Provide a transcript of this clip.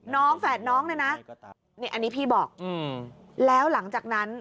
น้องแฝดน้องด้วยนะอันนี้พี่บอกแล้วหลังจากนั้น